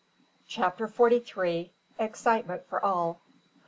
CHAPTER FORTY THREE. EXCITEMENT FOR ALL.